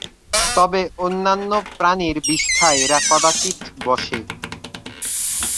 তবে অন্যান্য প্রানীর বিষ্ঠায় এরা কদাচিৎ বসে।